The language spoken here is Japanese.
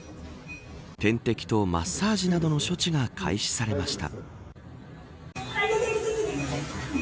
点滴とマッサージなどの処置が開始されました。